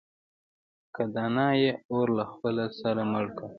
که دانا يې اور له خپله سره مړ کړه.